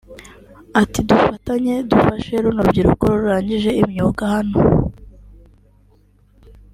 Ati “Dufatanye dufashe runo rubyiruko rurangije imyuga hano